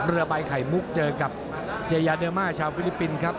เรือใบไข่มุกเจอกับเจยาเดอร์มาชาวฟิลิปปินส์ครับ